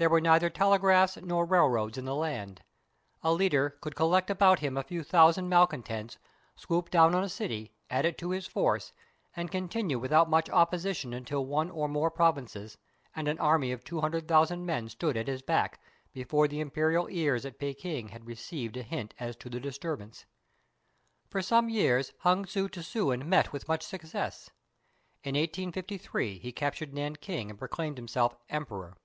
There were neither telegraphs nor railroads in the land. A leader "could collect about him a few thou sand malcontents, swoop down on a city, add it to his force, and continue without much opposition until one or more pro vinces and an army of two hundred thousand men stood at his back, before the imperial ears at Peking had received a hint as to the disturbance." ^ For some years Hung Sew tseuen met with much success. In 1853 he captured Nanking and proclaimed himself emperor.